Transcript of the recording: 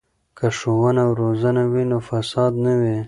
که ښوونه او روزنه وي نو فساد نه وي.